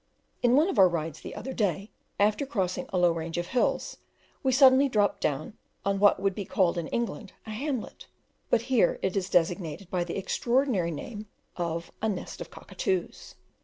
In one of our rides the other day, after crossing a low range of hills, we suddenly dropped down on what would be called in England a hamlet, but here it is designated by the extraordinary name of a "nest of cockatoos."